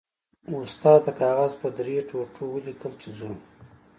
استاد د کاغذ په درې ټوټو ولیکل چې ځو.